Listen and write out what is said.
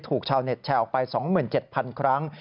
ชาวเน็ตแชร์ออกไป๒๗๐๐ครั้ง